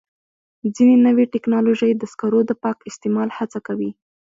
ځینې نوې ټکنالوژۍ د سکرو د پاک استعمال هڅه کوي.